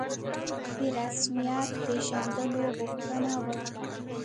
د رسمیت پېژندلو غوښتنه وکړه.